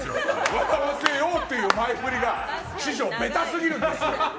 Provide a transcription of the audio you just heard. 笑わせようっていう前ふりが師匠、ベタすぎるんです。